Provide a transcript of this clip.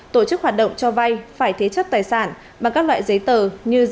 tổ chức hoạt động cho vay phải thế chất tài sản bằng các loại giấy tờ như